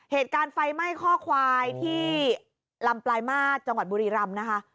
เหตุการณ์ไฟไหม้ข้อควายที่ลำปลายมาตรจังหวัดบุรีรำนะคะ